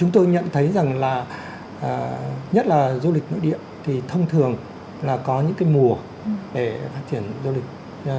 chúng tôi nhận thấy rằng là nhất là du lịch nội địa thì thông thường là có những cái mùa để phát triển du lịch